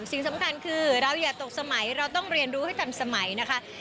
สิ่งสำคัญคือเราอย่าตกสมัยเราต้องเรียนรู้ให้ทันสมัยนะคะ